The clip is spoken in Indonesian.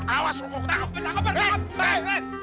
awas lo mau ketangkep